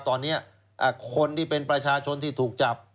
ตอนนี้คนที่เป็นประชาชนที่ถูกจับ